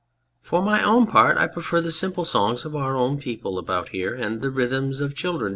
} For my own part I prefer the simple songs of our own people about here and the rhymes of children.